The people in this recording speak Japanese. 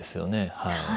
はい。